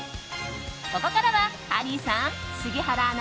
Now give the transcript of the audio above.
ここからはハリーさん、杉原アナ